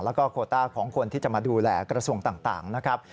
แล้วก็โคต้าของคนที่จะมาดูแลกระทรวงต่างนะครับ